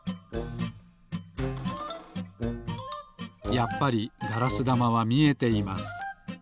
やっぱりガラスだまはみえています。